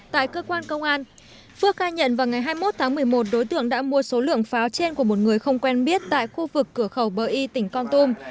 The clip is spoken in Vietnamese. tại cơ quan công an phước khai nhận vào ngày hai mươi một tháng một mươi một đối tượng đã mua số lượng pháo trên của một người không quen biết tại khu vực cửa khẩu bờ y tỉnh con tum